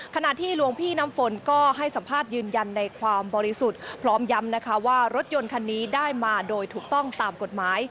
ขณะที่หลวงพี่น้ำฝนก็ให้สัมภาษณ์ยืนยันในความบริสุทธิ์พร้อมย้ำนะคะว่ารถยนต์คันนี้ได้มาโดยถูกต้องตามกฎหมาย